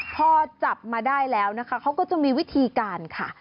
พอจับมาได้แล้วนะคะเขาก็จะมีวิธีการค่ะ